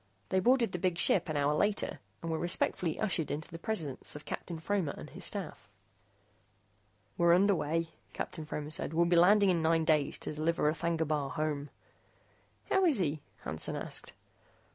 They boarded the big ship an hour later and were respectfully ushered into the presence of Captain Fromer and his staff. "We're underway," Captain Fromer said. "We'll be landing in nine days to deliver R'thagna Bar home." "How is he?" Hansen asked.